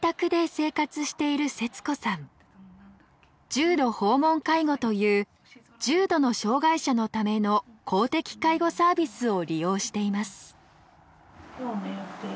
重度訪問介護という重度の障がい者のための公的介護サービスを利用しています。